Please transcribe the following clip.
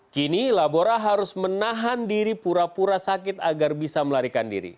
kini labora harus menahan diri pura pura sakit agar bisa melarikan diri